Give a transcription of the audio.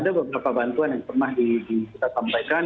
ada beberapa bantuan yang pernah kita sampaikan